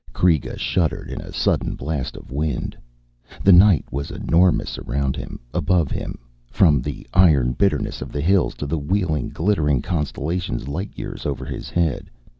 _ Kreega shuddered in a sudden blast of wind. The night was enormous around him, above him, from the iron bitterness of the hills to the wheeling, glittering constellations light years over his head.